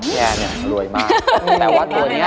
พี่แอร์รวยมาก